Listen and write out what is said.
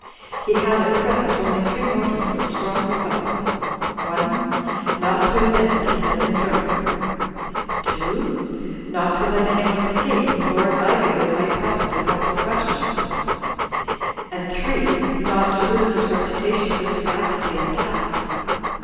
He had at present only three motives and strong resolves: (i) not to admit that he had been drunk; (2) not to let anyone escape whom Lord Iv)nvood might possibly want to question; and (3) not to lose his reputation for sagacity and tact.